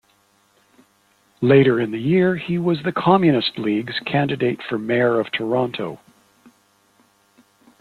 Later in the year, he was the Communist League's candidate for Mayor of Toronto.